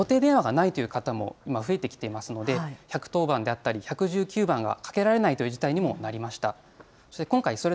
さらに固定電話がないという方も増えてきていますので、１１０番であったり、１１９番がかけられないという事態にもなりました。